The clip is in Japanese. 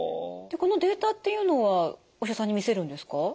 このデータっていうのはお医者さんに見せるんですか？